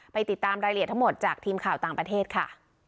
ติดตามรายละเอียดทั้งหมดจากทีมข่าวต่างประเทศค่ะ